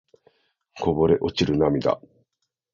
こぼれ落ちる涙